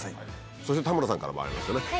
そして田村さんからもありますよね。